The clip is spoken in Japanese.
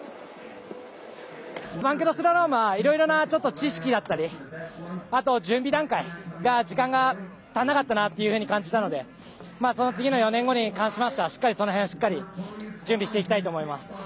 バンクドスラロームはちょっと知識だったりあと準備段階が時間が足らなかったなというふうに感じたのでその次の４年後に関しましてはその辺しっかり準備していきたいと思います。